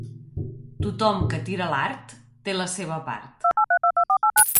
Tothom que tira l'art té la seva part.